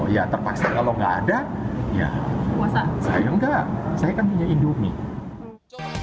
ya terpaksa kalau nggak ada ya sayang enggak saya kan punya indomie